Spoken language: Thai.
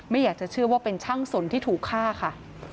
ไม่อยากจะเชื่อว่าเป็นช่างสนที่ถูกฆ่าค่ะ